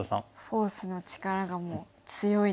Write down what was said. フォースの力がもう強いですね。